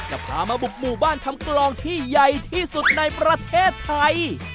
จะพามาบุกหมู่บ้านทำกลองที่ใหญ่ที่สุดในประเทศไทย